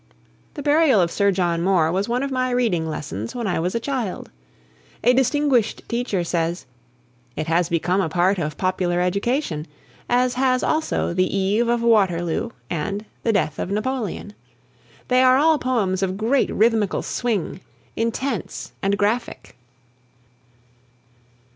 "The Burial of Sir John Moore" was one of my reading lessons when I was a child. A distinguished teacher says: "It has become a part of popular education," as has also "The Eve of Waterloo" and "The Death of Napoleon." They are all poems of great rhythmical swing, intense and graphic.